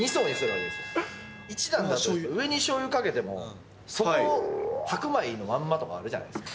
１段だと、上にしょうゆかけても、底、白米のままとかあるじゃないですか。